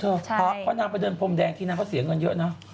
เพราะนางไปเดินพรมแดงทีนางก็เสียเงินเยอะเนอะ